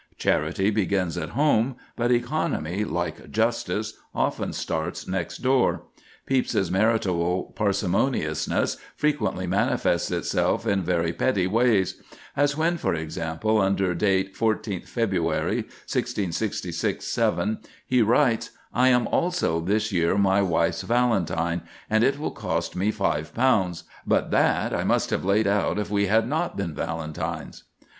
Charity begins at home; but economy, like justice, often starts next door. Pepys's marital parsimoniousness frequently manifests itself in very petty ways; as when, for example, under date 14th February, 1666 7, he writes—"I am also this year my wife's valentine, and it will cost me £5; but that I must have laid out if we had not been valentines."